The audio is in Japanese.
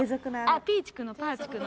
あっピーチクのパーチクの？